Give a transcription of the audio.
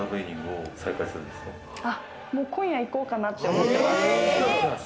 もう今夜行こうかなって思ってます。